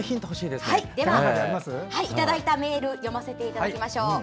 では、いただいたメール読ませていただきましょう。